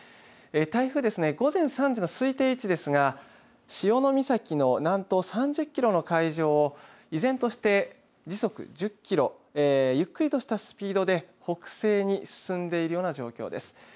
台風、午前３時の推定位置ですが潮岬の南東３０キロの海上を依然として時速１０キロ、ゆっくりとしたスピードで北西に進んでいるような状況です。